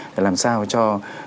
để làm sao cho